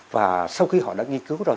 và sau khi họ đã nghiên cứu rồi